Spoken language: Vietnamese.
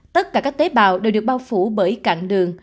tất cả các tế bào đều được bao phủ bởi cạn đường